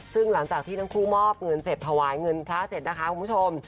ซึ่งหลังจากที่ทั้งคู่มอบเงินเสร็จถวายเงินพระเสร็จนะคะคุณผู้ชม